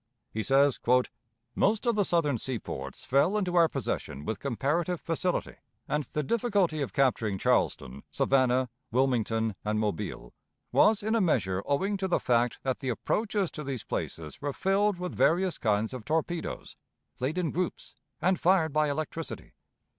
He says: "Most of the Southern seaports fell into our possession with comparative facility; and the difficulty of capturing Charleston, Savannah, Wilmington, and Mobile was in a measure owing to the fact that the approaches to these places were filled with various kinds of torpedoes, laid in groups, and fired by electricity.